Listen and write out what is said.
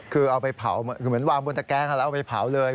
คือเอาไปเผาเหมือนวางบนตะแกงแล้วเอาไปเผาเลย